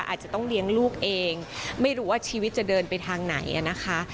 อาจจะต้องเลี้ยงลูกเองไม่รู้ว่าชีวิตจะเดินไปทางไหนนะคะ